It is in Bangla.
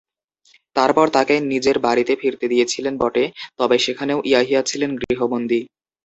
তারপর তাঁকে নিজের বাড়িতে ফিরতে দিয়েছিলেন বটে, তবে সেখানেও ইয়াহিয়া ছিলেন গৃহবন্দী।